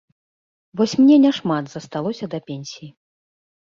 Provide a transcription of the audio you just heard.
Вось мне няшмат засталося да пенсіі.